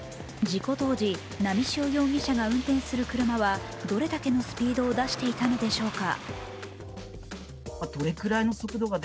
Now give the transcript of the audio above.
事故当時、波汐容疑者が運転する車はどれだけのスピードを出していたのでしょうか。